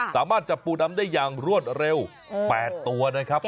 สามารถจับปูดำได้อย่างรวดเร็ว๘ตัวนะครับ